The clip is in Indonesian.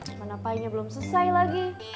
hah mana mainnya belum selesai lagi